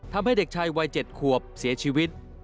ทำให้เด็กชายวัย๗ขวบเสียชีวิต